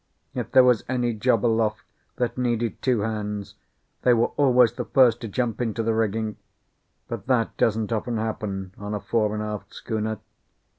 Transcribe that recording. If there was any job aloft that needed two hands, they were always the first to jump into the rigging; but that doesn't often happen on a fore and aft schooner.